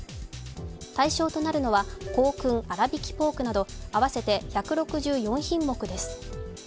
対象となるのは香燻あらびきポークなど合わせて１６４品目です。